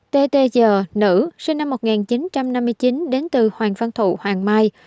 một t t g nữ sinh năm một nghìn chín trăm năm mươi chín đến từ hoàng văn thụ hoàng mai